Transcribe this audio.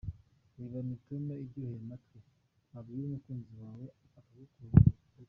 Reba imitoma iryoheye amatwi wabwira umukunzi wawe akagukunda by’Iteka.